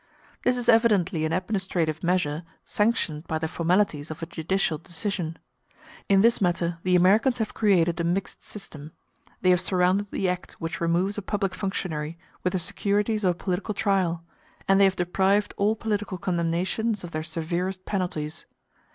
This is evidently an administrative measure sanctioned by the formalities of a judicial decision. In this matter the Americans have created a mixed system; they have surrounded the act which removes a public functionary with the securities of a political trial; and they have deprived all political condemnations of their severest penalties.